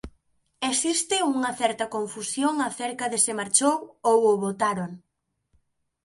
Existe unha certa confusión acerca de se marchou ou o botaron.